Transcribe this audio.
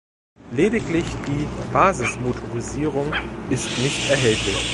Lediglich die Basismotorisierung mit ist nicht erhältlich.